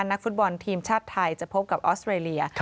นักฟุตบอลทีมชาติไทยจะพบกับออสเตรเลีย